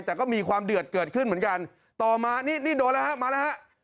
แต่ก็มีความเดือดเกิดขึ้นเหมือนกันต่อมานี่นี่โดนแล้วฮะมาแล้วฮะ